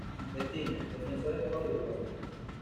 Destino: Defensor Sporting de Uruguay.